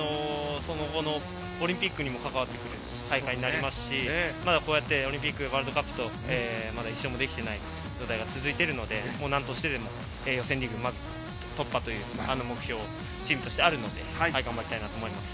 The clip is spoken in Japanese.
オリンピックにも関わってくる大会になりますし、オリンピック、ワールドカップとまだ１勝もできていない状態が続いてるので、なんとしてでも予選突破という目標をチームとしてあるので頑張りたいなと思います。